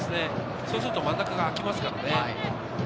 そうすると真ん中が空きますからね。